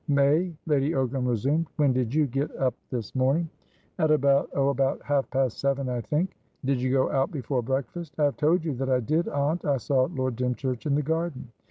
"May," Lady Ogram resumed, "when did you get up this morning? "At aboutoh, about half past seven, I think." "Did you go out before breakfast?" "I have told you that I did, aunt. I saw Lord Dymchurch in the garden."